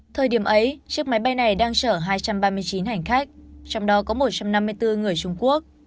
thời điểm ấy chiếc máy bay này đang chở hai trăm ba mươi chín hành khách trong đó có một trăm năm mươi bốn người trung quốc